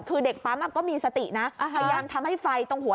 นี่เด็กป้ำนก็คนิดใจนะ